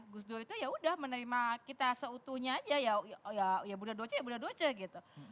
gus dur itu yaudah menerima kita seutuhnya aja ya bunda doce ya bunda doce gitu